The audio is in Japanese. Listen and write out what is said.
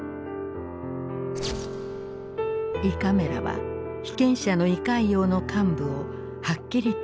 胃カメラは被験者の胃潰瘍の患部をはっきりと写し出していた。